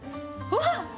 うわっ！